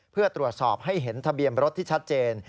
เพื่อตรวจสอบให้เห็นทะเบียนรถที่ชัดเจน